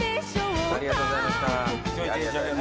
今日一日ありがとうございました。